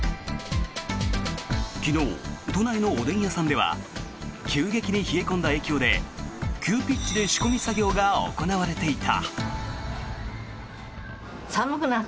昨日、都内のおでん屋さんでは急激に冷え込んだ影響で急ピッチで仕込み作業が行われていた。